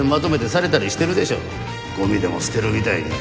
ごみでも捨てるみたいに。